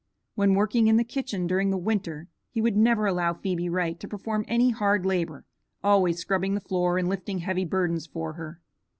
When working in the kitchen during the winter he would never allow Phebe Wright to perform any hard labor, always scrubbing the floor and lifting heavy burdens for her.